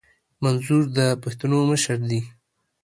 منظور د پښتنو مشر دي